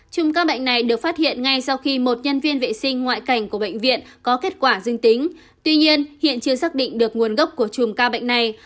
chùm các bệnh này được phát hiện ngay sau khi một nhân viên vệ sinh ngoại cảnh của bệnh viện có kết quả dương tính tuy nhiên hiện chưa xác định được nguồn gốc của chùm ca bệnh này